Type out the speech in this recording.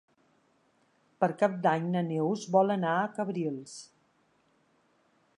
Per Cap d'Any na Neus vol anar a Cabrils.